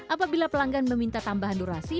apabila pelanggan meminta tambahan durasi